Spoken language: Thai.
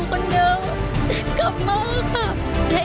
กลับมา